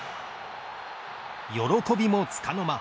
喜びもつかの間